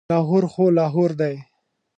لاهور خو لاهور دی.